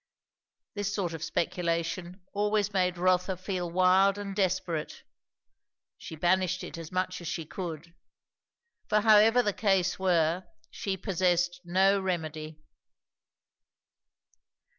This sort of speculation always made Rotha feel wild and desperate; she banished it as much as she could; for however the case were, she possessed no remedy.